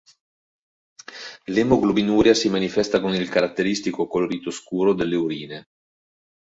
L'emoglobinuria si manifesta con il caratteristico colorito scuro delle urine.